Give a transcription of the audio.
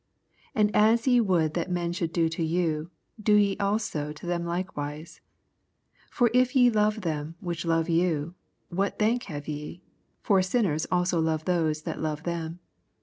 31 And as ye would that men should do to you^ do ye also to them likewise, 32 For if ye love them which love you, what thank have ye ? for sinners also love those that love them.